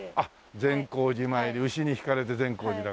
善光寺参り牛に引かれて善光寺だからね。